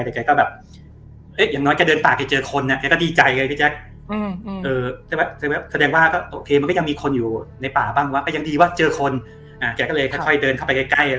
แต่แกก็แบบเอ๊ะอย่างน้อยแกเดินปาก